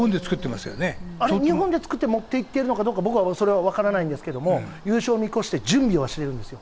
あれ、日本で作って持っていってるのかそれは分からないですけど、優勝見越して準備はしてるんですよ。